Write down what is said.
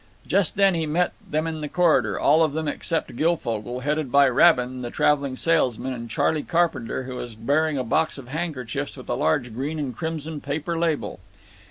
Just then he met them in the corridor, all of them except Guilfogle, headed by Rabin, the traveling salesman, and Charley Carpenter, who was bearing a box of handkerchiefs with a large green and crimson paper label.